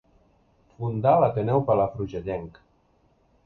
Fundà l'Ateneu Palafrugellenc.